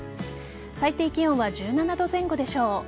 最低気温は１７度前後でしょう。